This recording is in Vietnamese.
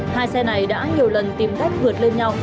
hai xe này đã nhiều lần tìm cách vượt lên nhau